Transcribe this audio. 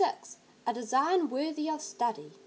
A design worthy of study.